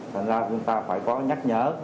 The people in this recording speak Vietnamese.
thành ra chúng ta phải có nhắc nhở